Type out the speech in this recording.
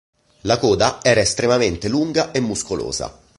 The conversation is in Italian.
La coda era estremamente lunga e muscolosa.